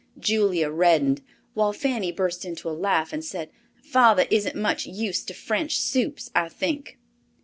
Julia reddened, while Fanny burst into a laugh and said, "Father isn't much used to French soups, I think."